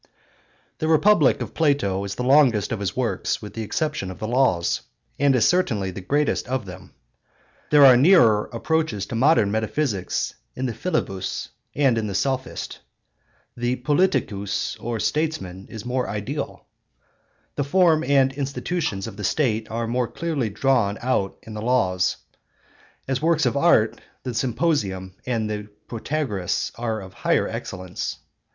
The Republic of Plato is the longest of his works with the exception of the Laws, and is certainly the greatest of them. There are nearer approaches to modern metaphysics in the Philebus and in the Sophist; the Politicus or Statesman is more ideal; the form and institutions of the State are more clearly drawn out in the Laws; as works of art, the Symposium and the Protagoras are of higher excellence.